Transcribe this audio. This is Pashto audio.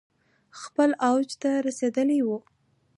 خپل اوج ته رسیدلي ؤ